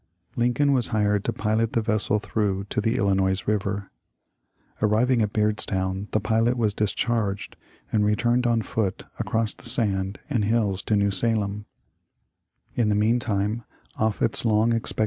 Lincoln was hired to pilot the vessel through to the Illinois river. Arriving at Beardstown the pilot was dis charged, and returned on foot across the sand and new man, began to spin out a stock of Indiana yarns.